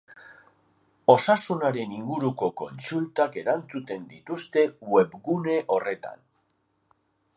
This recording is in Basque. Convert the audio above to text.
Osasunaren inguruko kontsultak erantzuten dituzte webgune horretan.